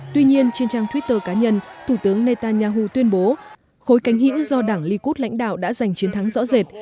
tuy nhiên trên trang twitter cá nhân thủ tướng netanyahu tuyên bố khối cánh hữu do đảng likud lãnh đạo đã giành chiến thắng rõ rệt